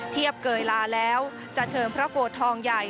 เทียบเกยลาแล้วจะเชิญพระโกดทองใหญ่